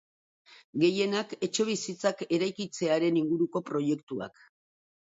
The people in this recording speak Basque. Gehienak etxebizitzak eraikitzearen inguruko proiektuak.